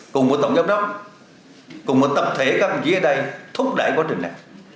cùng một tổng giám đốc cùng một tập thể các công chí ở đây thúc đẩy quá trình này